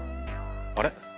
あれ？